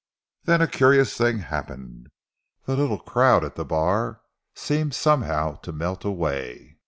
Then a curious thing happened. The little crowd at the bar seemed somehow to melt away.